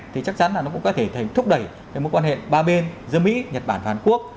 thì chắc chắn là nó cũng có thể thúc đẩy cái mối quan hệ ba bên giữa mỹ nhật bản và hàn quốc